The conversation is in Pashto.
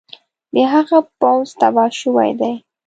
د هغه پوځ تباه شوی دی.